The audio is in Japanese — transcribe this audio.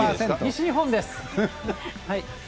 西日本です。